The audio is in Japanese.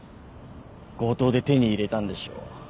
強盗で手に入れたんでしょう。